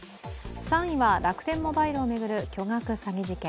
３位は、楽天モバイルを巡る巨額詐欺事件。